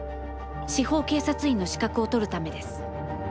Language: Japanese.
司法警察員の資格を取るためです。